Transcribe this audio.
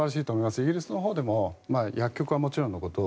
イギリスでも薬局はもちろんのこと